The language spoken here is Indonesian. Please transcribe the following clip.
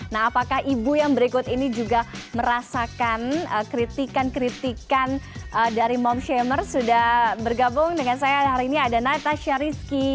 nah apakah ibu yang berikut ini juga merasakan kritikan kritikan dari mom shamer sudah bergabung dengan saya hari ini ada natasha rizky